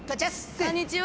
こんにちは！